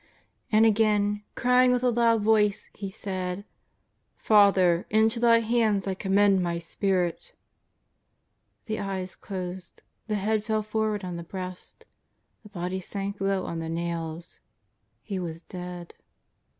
And again, crying with a loud Voice, He said: '^ Father, into Thy hands I commend My spirit/' The eyes closed ; the head fell forward on the breast ; the body sank low on the nails — He was dead.